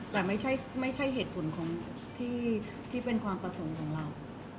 แต่ไม่ใช่เหตุผลของที่เป็นความประสงค์ของเรา